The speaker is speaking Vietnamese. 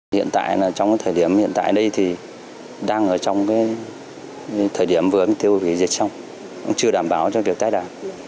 hiện tại là trong thời điểm hiện tại đây thì đang ở trong cái thời điểm vừa mới tiêu hủy dịch xong chưa đảm bảo cho việc tái đảm